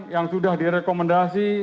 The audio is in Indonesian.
yang sudah direkomendasi